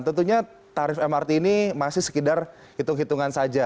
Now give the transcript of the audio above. tentunya tarif mrt ini masih sekedar hitung hitungan saja